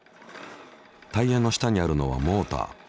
タイヤの下にあるのはモーター。